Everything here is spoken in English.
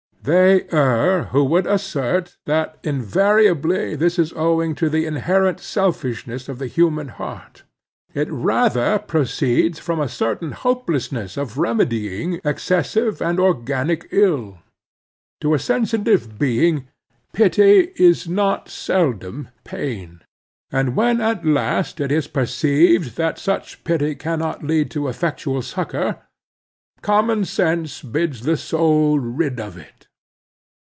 They err who would assert that invariably this is owing to the inherent selfishness of the human heart. It rather proceeds from a certain hopelessness of remedying excessive and organic ill. To a sensitive being, pity is not seldom pain. And when at last it is perceived that such pity cannot lead to effectual succor, common sense bids the soul rid of it.